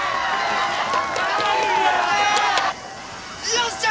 よっしゃ！